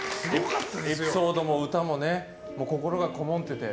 エピソードも歌も心がこもってて。